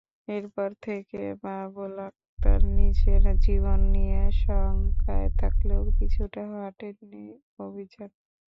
এরপর থেকে বাবুল আক্তার নিজের জীবন নিয়ে শঙ্কায় থাকলেও পিছু হটেননি অভিযান থেকে।